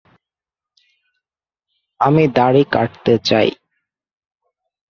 আমি দাড়ি কাটতে চাই।